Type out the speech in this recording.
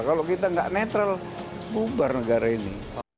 kalau kita nggak netral bubar negara ini